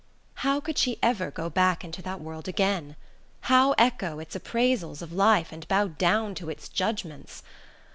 How could she ever go back into that world again? How echo its appraisals of life and bow down to its judgments?